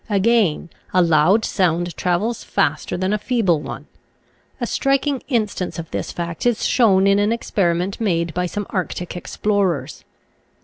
Again, a loud sound travels faster than a feeble one. A striking instance of this fact is shown in an experiment made by some Arctic explorers.